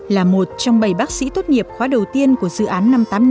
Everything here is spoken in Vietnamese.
là một trong bảy bác sĩ tốt nghiệp khóa đầu tiên của dự án năm trăm tám mươi năm